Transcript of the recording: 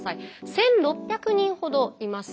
１，６００人ほどいます。